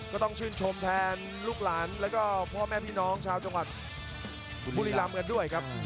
ก็ต้องชื่นชมแทนลูกหลานแล้วก็พ่อแม่พี่น้องชาวจังหวัดบุรีรำกันด้วยครับ